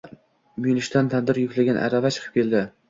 Muyulishdan tandir yuklangan arava chiqib keldi